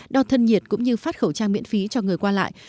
đo thân nhiệt cũng như phát khẩu trang miễn phí cho người qua lại